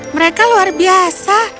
mereka luar biasa